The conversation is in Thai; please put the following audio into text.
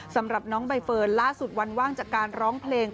สำหรับน้องใบเฟิร์นล่าสุดวันว่างจากการร้องเพลง